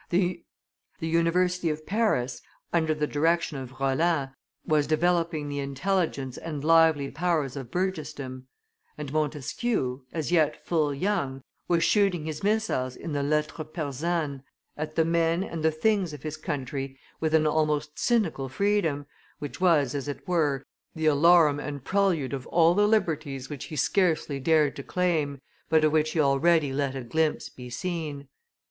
The University of Paris, under the direction of Rollin, was developing the intelligence and lively powers of burgessdom; and Montesquieu, as yet full young, was shooting his missiles in the Lettres persanes at the men and the things of his country with an almost cynical freedom, which was, as it were, the alarum and prelude of all the liberties which he scarcely dared to claim, but of which he already let a glimpse be seen.